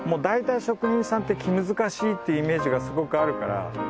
だいたい職人さんって気難しいっていうイメージがすごくあるから。